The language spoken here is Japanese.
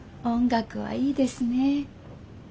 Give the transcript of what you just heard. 音楽はいいですね。